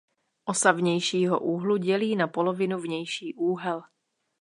Osa vnějšího úhlu dělí na polovinu vnější úhel.